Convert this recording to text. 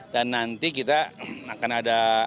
dan nanti kita akan ada